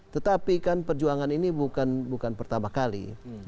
tetapi kan perjuangan ini bukan pertama kali